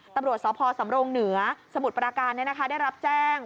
ตำรวจสพสำรงเหนือสมุทรปราการได้รับแจ้ง